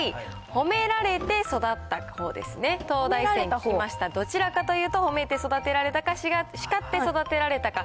褒められて育ったほうですね、東大生に聞きました、どちらかというと褒めて育てられたか、叱って育てられたか。